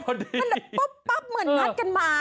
มันแบบปั๊บเหมือนงัดกันมา